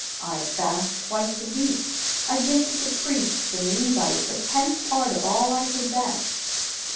I fast twice a week; I give to the priests and Levites a tenth part of all I possess."